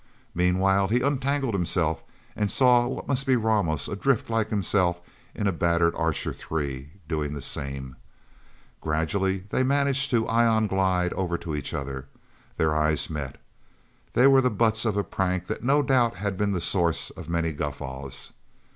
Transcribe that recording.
Meanwhile he untangled himself, and saw what must be Ramos, adrift like himself in a battered Archer Three, doing the same. Gradually they managed to ion glide over to each other. Their eyes met. They were the butts of a prank that no doubt had been the source of many guffaws.